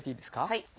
はい。